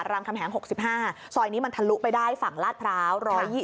คำแหง๖๕ซอยนี้มันทะลุไปได้ฝั่งลาดพร้าว๑๒๐